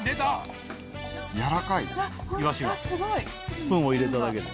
スプーンを入れただけで。